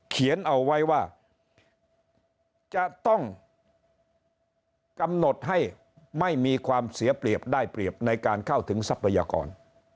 เขียนเอาไว้ว่าจะต้องกำหนดให้ไม่มีความเสียเปรียบได้เปรียบในการเข้าถึงทรัพยากร